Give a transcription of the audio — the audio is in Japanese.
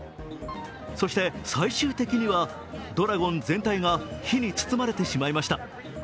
そして最終的にはドラゴン全体が火に包まれてしまいました。